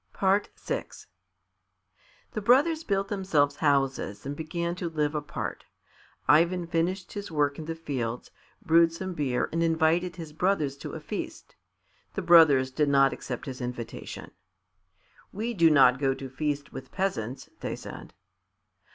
VI The brothers built themselves houses and began to live apart. Ivan finished his work in the fields, brewed some beer and invited his brothers to a feast. The brothers did not accept his invitation. "We do not go to feast with peasants," they said.